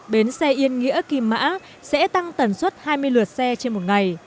bến xe yên nghĩa kim mã sẽ tăng tần suất hai mươi lượt xe trên một ngày